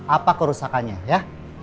apa kerusakannya ya